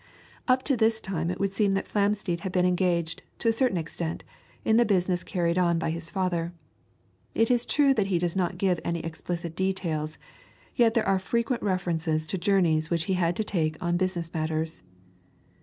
Up to this time it would seem that Flamsteed had been engaged, to a certain extent, in the business carried on by his father. It is true that he does not give any explicit details, yet there are frequent references to journeys which he had to take on business matters.